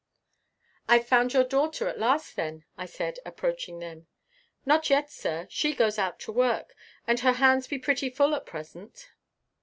"I've found your daughter at last then?" I said, approaching them. "Not yet, sir. She goes out to work, and her hands be pretty full at present.